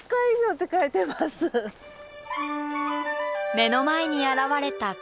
目の前に現れた看板。